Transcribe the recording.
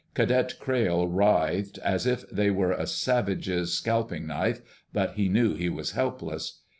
Cadet Crayle writhed as if they were a savage's scalping knife, but he knew he was helpless.